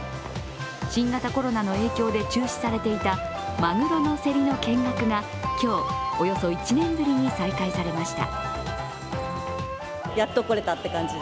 新型コロナの影響で中止されていたまぐろの競りの見学が今日、およそ１年ぶりに再開されました。